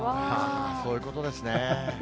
そういうことですね。